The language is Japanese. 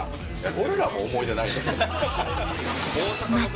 俺らも思い出ないよ。